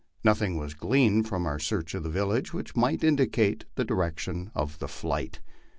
Nothing was gleaned from our search of the village which might indi cate the direction of the flight.